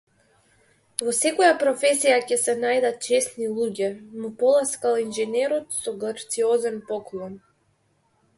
Во секоја професија ќе се најдат чесни луѓе му поласкал инженерот со грациозен поклон.